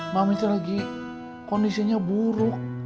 mami itu lagi kondisinya buruk